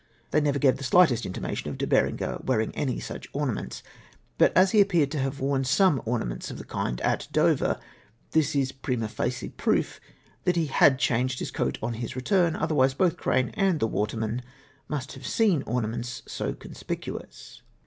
They never gave the slightest inti mation of De Berenger's wearing any such ornaments ; but as he appeared to have worn some ornaments of the kind at Dover, this is prima facie proof that he had changed his coat on his return, otherwise both Crane and the waterman must have seen ornaments so conspicuous.